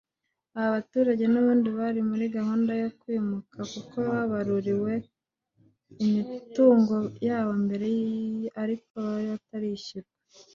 Abo baturage n’ubundi bari muri gahunda yo kwimuka kuko babaruriwe imitungo yabo mbere ariko bakaba batarishyurwa